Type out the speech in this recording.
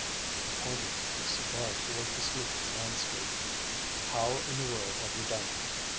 He pointed with his cigar toward the sleeping landscape. "How in the world have you done it?